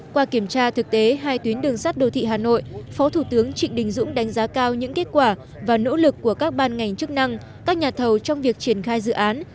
qua kiểm tra thực tế hai tuyến đường sắt đô thị hà nội phó thủ tướng trịnh đình dũng đánh giá cao những kết quả và nỗ lực của các ban ngành chức năng các nhà thầu trong việc triển khai dự án